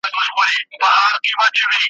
ملنګه ! دا سپوږمۍ هم د چا ياد کښې ده ستومانه ,